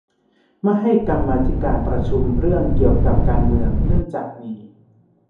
ไม่ให้กรรมาธิการประชุมเรื่องเกี่ยวกับการเมืองเนื่องจากมี